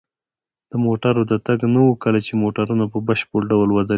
د موټرو د تګ نه وه، کله چې موټرونه په بشپړ ډول ودرېدل.